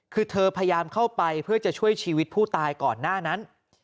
คือเธอพยายามเข้าไปเพื่อจะช่วยชีวิตผู้ตายก่อนหน้านั้น